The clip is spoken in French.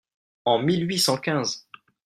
En mille huit cent quinze